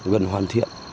gần hoàn thiện